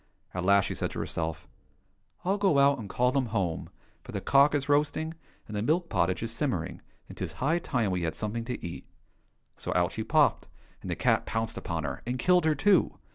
At last she said to herself, " I'll go out and call them home, for the cock is roasting, and the milk pottage is sim mering, and *tis high time we had something to eat." So out she popped, and the cat pounced upon her, and killed her too.